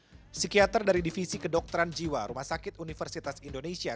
psikiater dari divisi kedokteran jiwa rumah sakit universitas indonesia